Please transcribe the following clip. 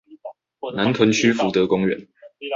南屯區福德公園